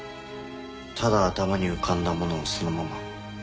ただ頭に浮かんだものをそのまま。